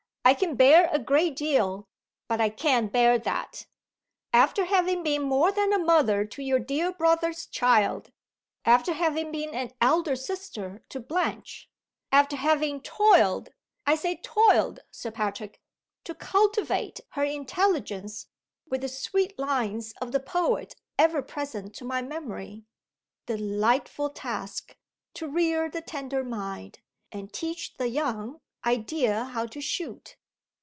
I can bear a great deal; but I can't bear that. After having been more than a mother to your dear brother's child; after having been an elder sister to Blanche; after having toiled I say toiled, Sir Patrick! to cultivate her intelligence (with the sweet lines of the poet ever present to my memory: 'Delightful task to rear the tender mind, and teach the young idea how to shoot!